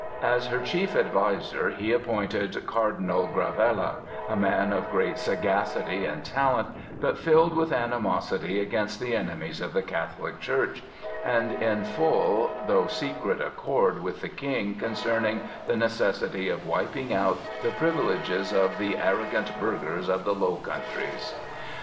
As her chief adviser he appointed Cardinal Granvella, a man of great sagacity and talent, but filled with animosity against the enemies of the Catholic Church, and in full though secret accord with the King concerning the necessity of wiping out the privileges of the "arrogant burghers of the Low Countries."